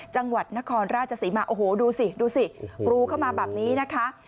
จังหวัดนครราชศรีมาโอ้โหดูสิดูสิกรูเข้ามาแบบนี้นะคะ